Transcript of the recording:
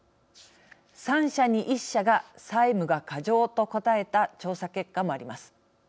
３社に１社が債務が過剰と答えた調査結果もあります。